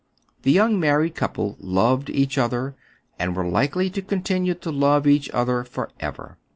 The young married couple loved each other, and were likely to continue to love each other forever.